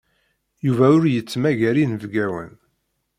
Yuba ur yettmagar inebgawen.